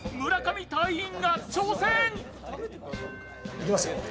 いきますよ。